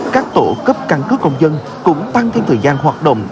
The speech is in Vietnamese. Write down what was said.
các tổ cấp căn cứ công dân cũng tăng thêm thời gian hoạt động